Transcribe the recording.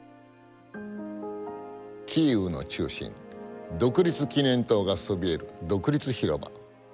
キーウの中心独立記念塔がそびえる独立広場。